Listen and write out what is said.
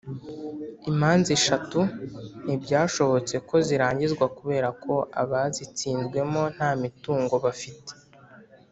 imanza eshatu ntibyashobotse ko zirangizwa kubera ko abazitsinzwemo nta mitungo bafite.